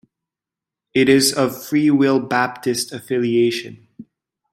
It is of Free Will Baptist affiliation.